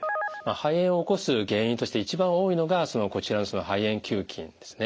肺炎を起こす原因として一番多いのがこちらの肺炎球菌ですね。